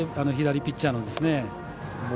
左ピッチャーの。